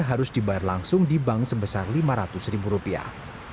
harus dibayar langsung di bank sebesar lima ratus ribu rupiah